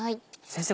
先生